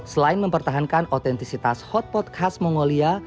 selain mempertahankan otentisitas hotpot khas mongolia